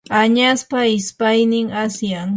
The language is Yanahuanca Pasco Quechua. añaspa ishpaynin asyan.